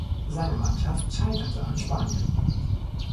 Seine Mannschaft scheiterte an Spanien.